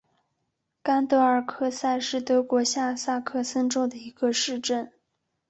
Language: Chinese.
甘德尔克塞是德国下萨克森州的一个市镇。